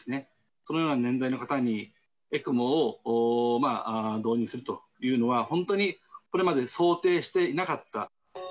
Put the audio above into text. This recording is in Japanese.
このような年代の方に、ＥＣＭＯを導入するというのは、本当にこれまで想定していなかった。